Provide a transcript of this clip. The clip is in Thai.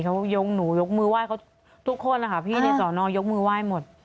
เขายกหนูยกมือไหว้เขาทุกคนนะคะพี่ในสอนอยกมือไหว้หมด